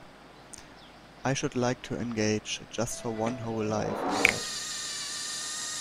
I should like to engage just for one whole life in that.